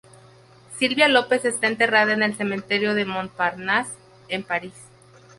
Sylvia López está enterrada en la Cementerio de Montparnasse en París.